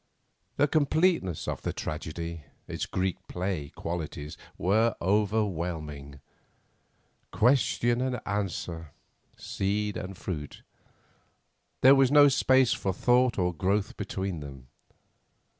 The completeness of the tragedy, its Greek play qualities, were overwhelming. Question and answer, seed and fruit—there was no space for thought or growth between them.